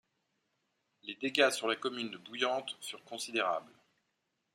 Les dégâts sur la commune de Bouillante furent considérables.